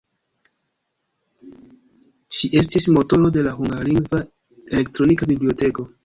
Ŝi estis motoro de la hungarlingva elektronika biblioteko.